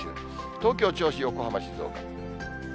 東京、銚子、横浜、静岡。